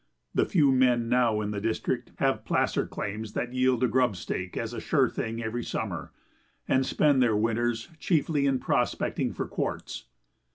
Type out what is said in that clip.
The few men now in the district have placer claims that yield a "grub stake" as a sure thing every summer, and spend their winters chiefly in prospecting for quartz.